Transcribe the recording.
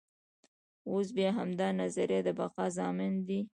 اوس بیا همدا نظریه د بقا ضامن دی.